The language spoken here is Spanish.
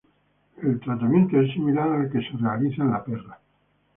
El tratamiento es similar al que se realiza en la perra.